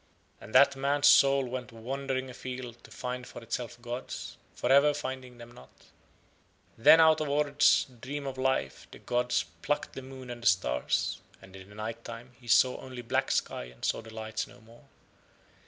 And that man's soul went wandering afield to find for itself gods, for ever finding them not. Then out of Ord's Dream of Life the gods plucked the moon and the stars, and in the night time he only saw black sky and saw the lights no more.